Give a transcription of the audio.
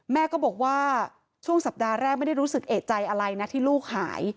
แม่ก็บอกว่าช่วงสัปดาห์แรกไม่ได้รู้สึกเอกใจอะไรนะที่ลูกหาย